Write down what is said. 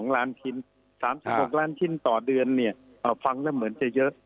๓๖ล้านพิคิโรงงานต่อเดือนเนี่ยเอ่อฟังแล้วเหมือนจะเยอะ